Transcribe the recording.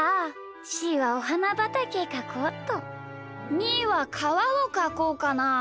みーはかわをかこうかな。